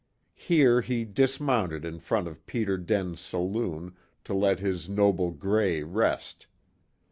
Here he dismounted in front of Peter Den's saloon to let his noble "Gray" rest.